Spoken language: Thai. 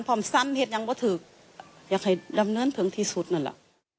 พร้อมซ้ำเหตุยังว่าถูกอยากให้ดำเนินถึงที่สุดนั่นแหละ